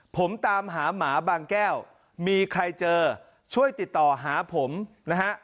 ผมตามหาหมาบางแก้วมีใครเจอช่วยติดต่อหาผมนะฮะ